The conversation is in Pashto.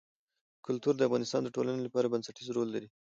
کلتور د افغانستان د ټولنې لپاره بنسټيز رول لري.